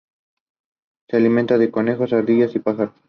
Se alimenta de conejos, ardillas y pájaros.